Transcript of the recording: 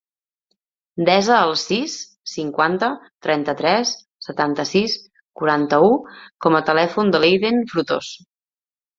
Desa el sis, cinquanta, trenta-tres, setanta-sis, quaranta-u com a telèfon de l'Eiden Frutos.